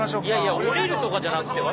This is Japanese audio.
降りるとかじゃなくて。